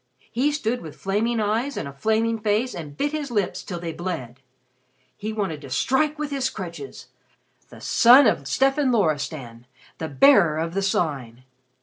He stood with flaming eyes and a flaming face, and bit his lips till they bled. He wanted to strike with his crutches. The son of Stefan Loristan! The Bearer of the Sign!